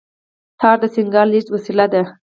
تار د سیګنال لېږد وسیله ده.